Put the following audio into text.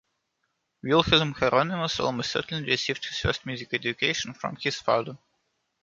Wilhelm Hieronymus almost certainly received his first music education from his father.